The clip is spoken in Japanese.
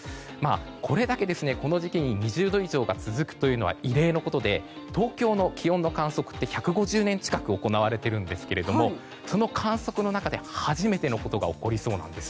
これだけ、この時期に２０度以上が続くというのは異例のことで、東京の気温の観測って１５０年近く行われているんですがその観測の中で初めてのことが起こりそうなんです。